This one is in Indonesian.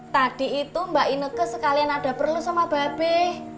tadi itu mbak ineke sekalian ada perlu sama babe